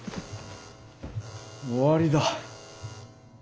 終わりだ。